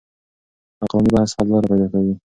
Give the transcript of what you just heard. عقلاني بحث حل لاره پيدا کوي.